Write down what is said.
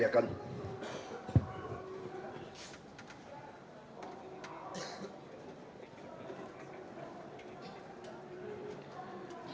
elang ratikan selalu